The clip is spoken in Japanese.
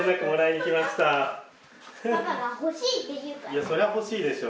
いやそりゃほしいでしょ。